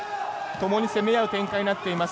ともに攻め合う展開になっています。